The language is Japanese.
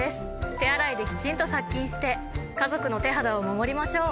手洗いできちんと殺菌して家族の手肌を守りましょう！